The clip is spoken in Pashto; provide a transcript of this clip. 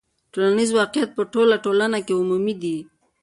ټولنیز واقعیت په ټوله ټولنه کې عمومي دی.